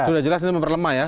sudah jelas ini memperlemah ya